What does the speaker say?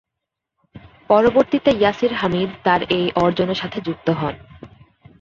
পরবর্তীতে ইয়াসির হামিদ তার এ অর্জনের সাথে যুক্ত হন।